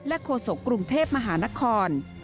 โฆษกรุงเทพมหานคร